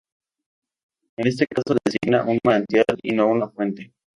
En este caso designa un manantial y no una fuente.